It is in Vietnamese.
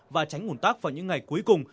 và tránh nguồn tắc vào những ngày cuối cùng